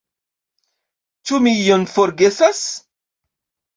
Ĉu mi ion forgesas?